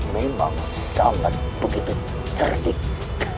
memang sangat begitu cerdik